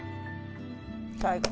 最高！